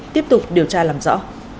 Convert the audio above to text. tiếp tục điều tra làm rõ